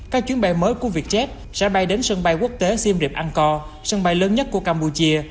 các chuyến bay mới của vietjet sẽ bay đến sân bay quốc tế simream anko sân bay lớn nhất của campuchia